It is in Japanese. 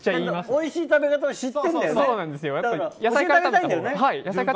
おいしい食べ方を知ってるんだよね。